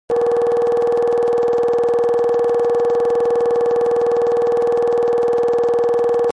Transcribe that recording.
Ар гум фэбжьу къытенауэ нобэр къыздэсым къыздызохьэкӀ.